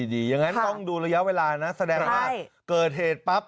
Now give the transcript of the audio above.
อย่างนั้นต้องดูระยะเวลานะแสดงว่าเกิดเหตุปั๊บ